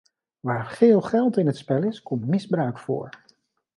Waar veel geld in het spel is, komt misbruik voor.